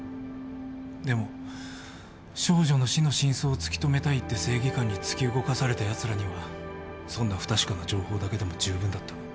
でも少女の死の真相を突き止めたいって正義感に突き動かされたやつらにはそんな不確かな情報だけでも十分だった。